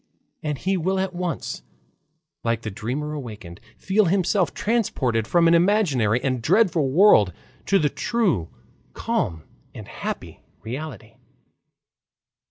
and he will at once, like the dreamer awakened, feel himself transported from an imaginary and dreadful world to the true, calm, and happy reality.